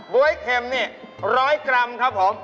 ๊วยเข็มนี่๑๐๐กรัมครับผม